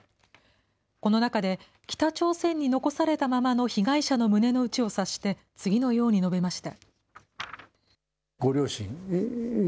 この中で、北朝鮮に残されたままの被害者の胸の内を察して、次のように述べました。